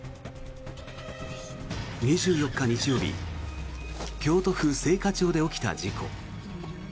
２４日、日曜日京都府精華町で起きた事故。